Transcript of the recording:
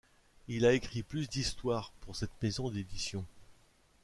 Il a écrit plus de histoires pour cette maison d'édition.